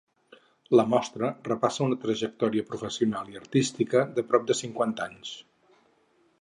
La mostra repassa una trajectòria professional i artística de prop de cinquanta anys.